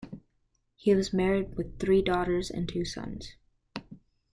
He was married with three daughters and two sons.